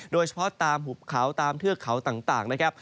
โดยเฉพาะตามหุบเขาตามเทือกเขาต่างนะครับ